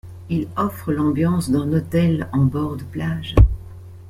Il offre l'ambiance d'un hôtel en bord de plage.